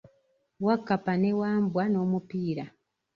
Wakkapa ne Wambwa n'omupiira.